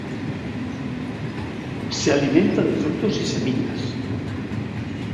Se alimenta de frutos y semillas.